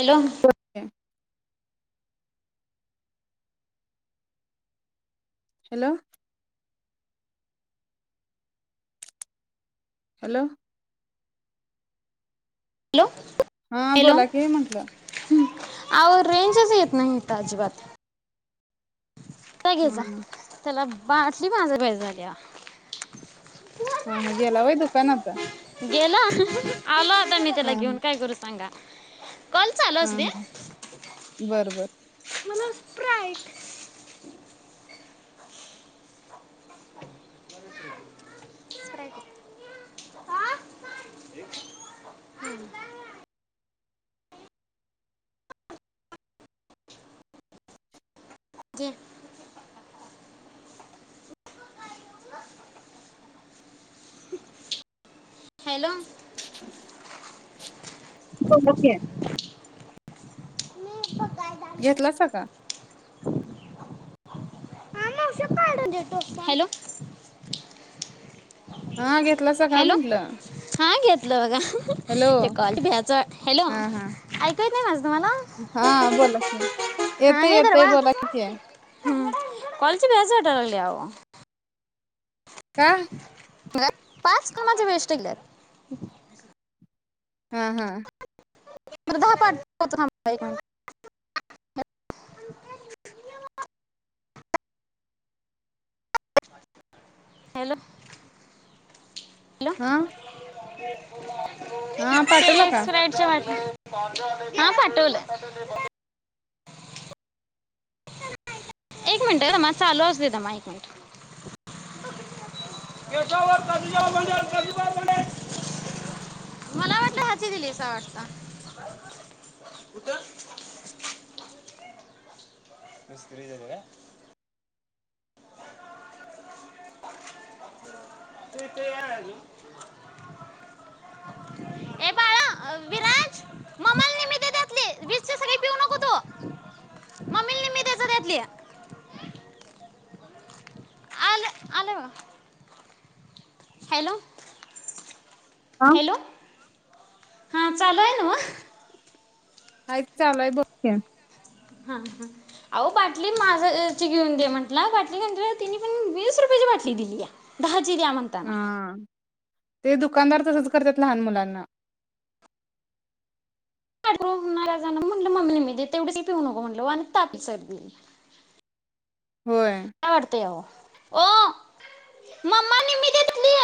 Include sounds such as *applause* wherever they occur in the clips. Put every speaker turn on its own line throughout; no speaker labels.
Hello!
Hello! Hello!
Hello!
हा बोला कि म्हंटलं
आव रेंजच येत नाही इथं अजिबात जा घे जा
हा
त्याला *unintelligible* झाल्या
हा हा गेलावय दुकान आत?
गेला आ मी त्याला घेउन काय करू सांगा? काॅल चालु
हा
असु दे
हा बर बर
प्राई *inaudible* *inaudible* *inaudible* हॅलो
*unintelligible*
*inaudible*
घेतला सा का?
हा मावशी हॅलो
हा घे
हॅलो हा घे ल बघा
हॅलो
ते कॉलची भ्याज हॅलो
हा हा
ऐकु येत नाही माझं तुम्हाला?
हा बोला की
हा
येतय
हे धर
येतय
बाळा
बोला की
हम्म कॉलची भ्याज वाटाया लागल्या अहो *inaudible*
का?
म पाच कमाची वेस्ट गेल्यात
हा हा
*unintelligible* हॅलो हॅलो
हा
*inaudible*
हा पाठवला का?
हा पाठवलं एक मिनिट तमा चालू असु दे तमा एक मिनिट मला वाटलं हची दिलीसा वाटत मिस्त्री झाली काय? ए बाळा विराज मम्माला निम्मी दे त्यातली वीस ची सगळी पिऊ नको तू मम्मी ला निम्मी दे जा त्यातली आल आलय बघा हॅलो
हा
हॅलो हा चालू आहे. *inaudible*
काय चालु हाय बगत्या
हा हाह आहो बाटली माझा ची घेऊन दे म्हटला बाटली घेऊन तिनी पण वीस रुपयाची बाटली दिलीया दहा ती द्या म्हणताना
हा ते दुकानदार तसच करत्यात लहान मुलांना
होणारा जाण म्हट मम्मी ला निम्मी दे तेवढीच पिऊ नको म्हणलो आणि ताप सर्दी
होय
का वाढतेय आव ओ मम्मा निम्मी दे तुली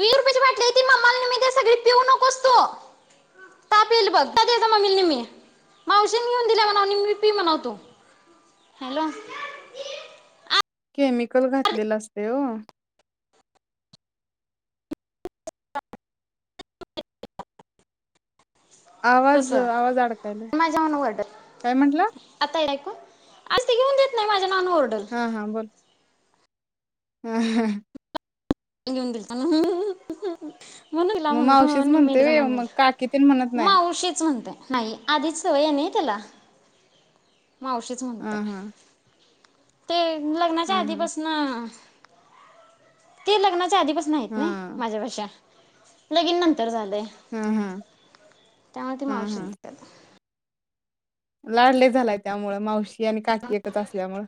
वीस रुपयाची वाटली ये ती मम्माला निम्मी दे सगळी पिऊ नकोस तू ताप येईल बघ जा दे जा मम्मी निम्मी मावशीने घेऊन दिली म्हणावं निम्मी पी म्हनाव तू हॅलो
केमिकल घातलेले असतय वो
*inaudible*
आवाज
तसं
आवाज अडकायला
माझ्या म्हणून ओरडत
काय म्हटला
ती घेऊ देत नाय
हा हा बोल ह हा
तू लिहून दीलता नव्ह
मग मावशीच म्हणतोय व्हय ह्यो मग काकी तेन म्हणत नाही.
मावशीच म्हणते नाही आधीच सवय आहे ना त्याला मावशीच
हा
म्हणतय.
हा
ते लग्नाच्या
हा हा
आधीपासन ते लग्नाच्या ते आधीपासन आहेत न
हा
माज्यापाशा लगिन नंत तर झालंय
हा हा
त्यामुळे ते
हा
मावशीच
हा
म्हणत्यात
लाड लई झालाय त्यामुळे मावशी आणि काकी ऐकच असल्यामुळ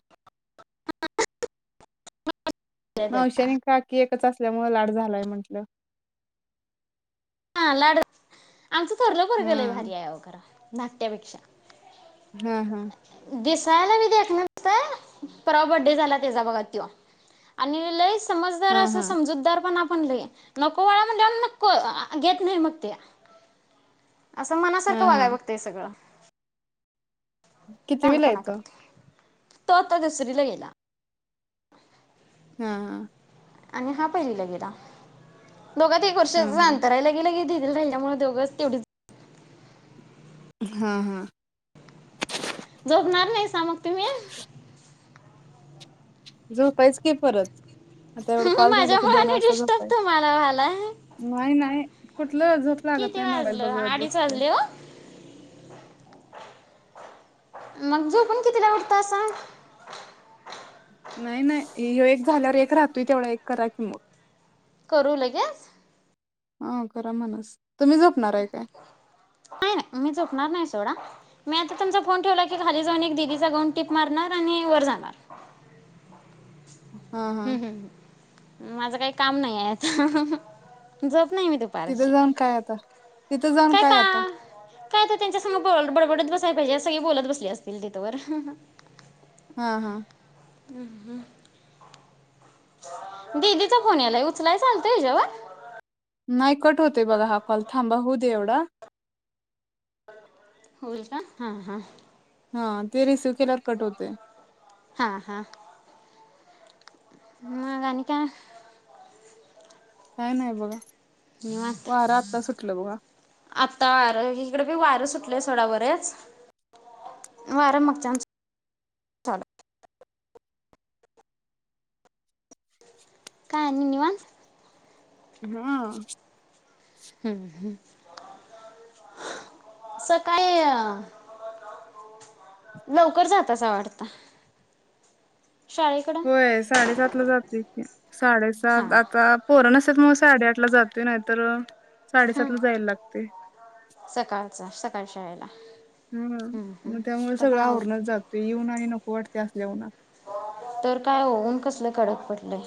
द्या
मावशी
त्याला
आणि काकी एक एकच असल्यामुळ लाड झालाय म्हंटलं.
हा लाड आमचं थोरल पोरंग लई
हा
भारी हाय अहो खरं. धाकट्यापेक्षा
हम्म हम्
दिसायला बी देखणं होतं परवा बड्डे झाला त्याजा बघा त्यो आणि लईस समजदार
हा
अस
हा
समजूतदार पणा थांबलूया नको बाळा म्हणल्यावर नको आ घेत नई मग ते असं मनासारखं
हा
वागाय बघतंय सगळं.
कितविला हाय
लहानपणा
त्यो?
करते तो आता दुसरीला गेला.
हा हा
आणि हा पहिलिला गेला. दोघात एक
हा
वर्षांचच
हा
अंतर हाय लगे लगे डी राहिल्यामुळ दोघ तेवढीच हाइत
हा हा
झोपणार नाहीसा मग तुम्ही?
झोपायच की परत आता एवढं कॉल झालं की
माझ्यामुळे
दोन
आणि
वाजता
डिस्टर्ब
झोपायच
तुम्हाला व्हायला
नाही नाही. कुठलं झोप लागत
किती
नाही मोबाईल
वाजलं
बगत
अडीच
बसतोय.
वाजले हो मग झोपून कितीला उठतासा?
नाही नाही हे एक झाल्यावर एक राहतोय तेवढा एक करा की मग?
करू लगेच?
हा करा म्हनस तुम्ही झोपणार हाय काय?
नाही नाही मी झोपणार नाही सोडा मी आता तुमचा फोन ठेवला की खाली जाऊन एक दिदीचा गाऊन टीप मारणार आणि वर जाणार.
हा हा
हम्म हम् ह् माझं काय काम नाही आहे आता झोप नाही मी
तिथं
दुपारची
जाऊन काय आता तिथं जाऊन काय आता?
काय तर त्यांच्या संग बो बडबडत बसायला पाहिजे सगळी बोलत बसली असतील तिथ वर
हा हा
हुं हुं दीदीचा फोन यालाय उचलाय चालतोय हेजावर
नाही कट होतोय बघा हा कॉल थांबा होऊ दे एवढा
होय का? हां हां
हां ते रिसीव्ह केल्यावर कट होतेय
हां हां मग आणि काय?
काय नाय बघा?
मग
वारा आत्ता सुटलं बघा
आता इकडे बी वार सुटलय सुटलं सोडा बरेच वार *unintelligible* काय आणि निवांत
हा
हम् हम् सकाळी लवकर जातासा वाटत
होय साडेसात ला जातोय अ साडेसात
हां
आता पोरं नसत्यात साडेआठ ला जातोय नाहीतर साडेसात
हम्
ला जायला लागते
*unintelligible* सकाळचा सकाळी शाळेला हम्म,
हम
हम्म.
त्यामुळे
तो
सगळं
पण आव
आवरूनच जातोय येऊन आणि नको वाटते असल्या उन्हातन
तर काय होऊन कसले कडक पटलंय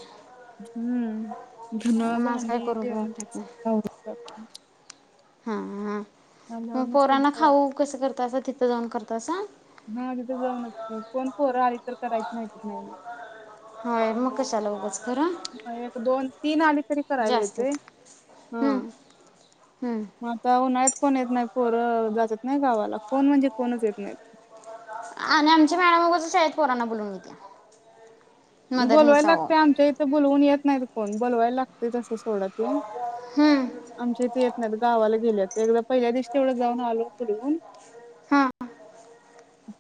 हम्म धुन
आज काय
भांडी
करू बी
जेवन ते
वाटत हा हा
आल्यावर
मग
नुसतं
पोरांना खाऊ
जेवायचं
कसं करतासा? ते त जाऊन करतासा
ह आ तिथं जाऊनच कोण पोरं आली तर करायच मग नाही
होय मग कशाला उघच
एक दोन तीन आली तरी करायला येतय
जास्तीत
ह
हम्म, हम्म.
म आता उन्हाळ्यात कोण येत नाहीत पोरं जातेत नाही गावाला कोण म्हणजे कोणच येत नाही
आणि आमची मॅडम उगाचच शाळेत पोरांना बोलून घेतीया
बोलवायला लागते आमच्या इथे बोलवून येत नाही पण बोलवायला लागतेय तसं सोडा ते
हम्म,
आमच्या इथे एक मध्ये गावाला गेल्यात तेवढ्यात पहिल्या दिवशी तेवढं जाऊन आलो बोलवून
हां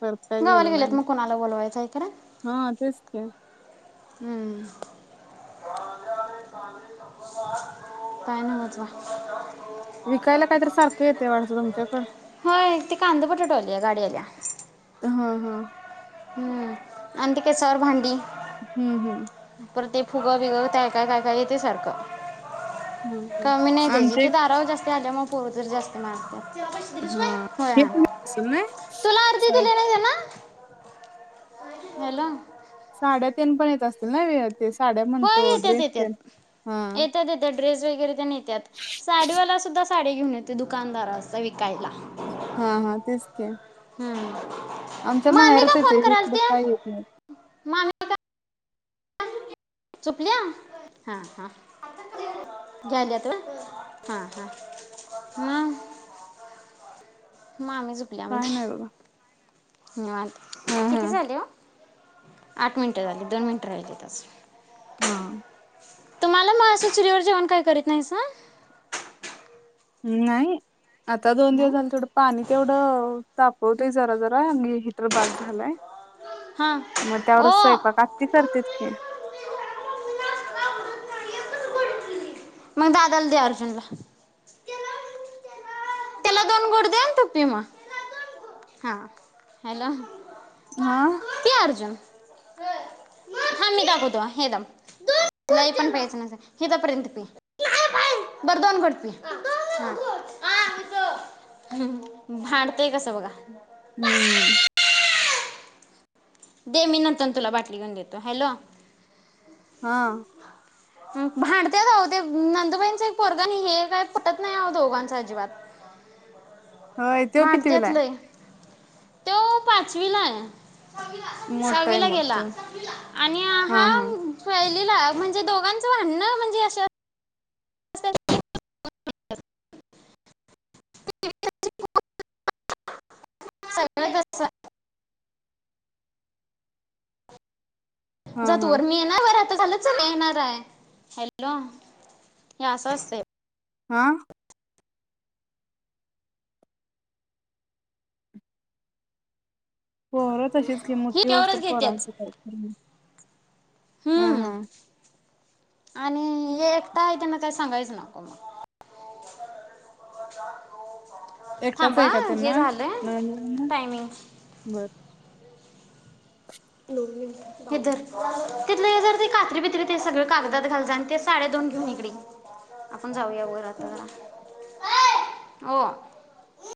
परत काय
गावाला
गेलो नाही
गेलेत मग कुणाला बोलवायचं आहे खरं
हा तेच की
हम् काय न्हवच बा
विकायला काहीतरी सारखं येतय वाटतय तुमच्याकड
होय ते कांदा बटाटा आली आहे गाडी आल्या
हा हा
हम्म आणि ती केसावर भांडी
हम्म हम्म
परत ते फुगं बिगं काय काय काय काय येते सारखं
हम्म हम्म
कमी नाही तेजी
आमच्या
ते दारावर जास्त ती आल्यामुळं पोर जरा जास्त मारत्यात
हा हेे पण असलं नाही
तुला अर्धी
शाळेत
दिली नाही त्यांना हॅलो
साड्या तेन पण येत असतील ना वे ते साड्या
होय
म्हणतो
येतात
ड्रेस
येतात
तेंन हा
येतात येतात ड्रेस वगैरे तेन येत्यात साडीवाला सुद्धा साडी घेऊन येतोय दुकानदार असा विकायला
हा हा तेच की
हम्म.
आमच्या
मामी
माहेरात
का
येतय
फोन
हे
कराल
इकड
ते
काय येत नाही.
चुकल्या हा हा घ्याल्यात व्हय हा हा ह मामी जुपल्या
काय नाही बघा.
म्हणतय हे आठ
हा हा
किती झाले हो आठ मिनिटं झाली दोन मिनिटं राहिली अजून
हा
तुम्हाला म असं चुलीवर जेवण काय करीत नाहीसा
नाही आता दोन दिवस
नाही
झाले तेवडं पाणी तेवढं तापवतोय जरा जरा अंगी हिटर बाद झालाय
हां
मग त्यावरच
ओ
स्वयंपाक आत्ती करतेत की
मग दादाला दे अर्जुनला त्याला दोन घोट दे आणि तु प्पी मग हा हॅलो
हा आ
पी हा मी दाखवतो हे धर लई पण प्यायच नाही हे तोपर्यंत पी बर दोन घोट पी हा
*inaudible*
हम् भांडतंय कसं बघा?
हम्म
दे मी नंतर तुला बाटली घेऊन देतो हॅलो
हा
भांडतयच ओ ते नंदुबाईंचं एक पोरग आणि हे एक काय पटतच नाही ओ दोघांच अजिबात
होय तो
भांडतेत
कितविला य
लय तो अ पाचवीला य
मोठा आहे
सहाविला
मग
गेला
त्यो
आणि हा पहिली म्हणजे दोघांच भांडण म्हणजे अस *inaudible* *inaudible*
हा
जा तू
हा
वर मी येणार *inaudible* आता झाल चल येणार हाय हॅलो हे अस असतय
हा पोर तशीच की
ही
मोठी
केवरच
होऊस्तवर
घेतात
पोराचं काय हा
हम्म
हा
आणि हे एकट आहे त्यांना काय सांगायच नको म
एकटाच आहे का त्यांना ननंद ना
टायमिंग
बर
हे धर तिथल हे जर ते कात्री बित्री ते सगळ कागदात घाल जा आणि ते साड्या दोन घेऊन इकडे ये आपण जाऊया वर आता जरा ओ